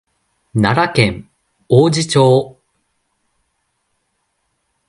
奈良県王寺町